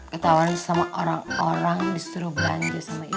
ketawanya sama orang orang disuruh belanja sama istrinya